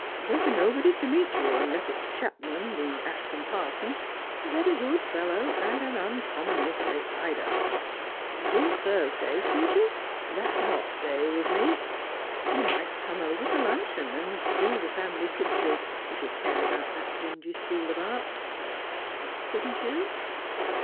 There'll be nobody to meet yon, unless it's Chapman, the Ashcombe parson, a very good fellow, and an uncommonly straight rider. AVill Thursday suit ybn ? that's an off day with me. You might come over to luncheon, and do the family pictures, if you care about that dingy school of art; — couldn't you